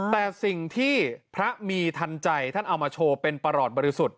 แต่สิ่งที่พระมีทันใจท่านเอามาโชว์เป็นประหลอดบริสุทธิ์